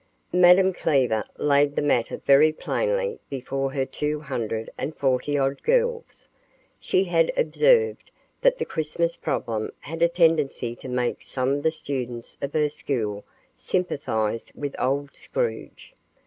Madame Cleaver laid the matter very plainly before her two hundred and forty odd girls. She had observed that the Christmas problem had a tendency to make some of the students of her school sympathize with Old Scrooge.